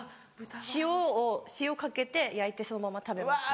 塩を塩かけて焼いてそのまま食べます。